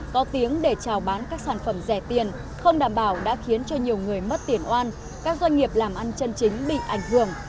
có tiếng để trào bán các sản phẩm rẻ tiền không đảm bảo đã khiến cho nhiều người mất tiền oan các doanh nghiệp làm ăn chân chính bị ảnh hưởng